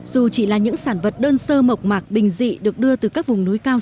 dù chỉ là những sản vật đơn sơ mộc mạc bình dị được đưa từ các vùng núi cao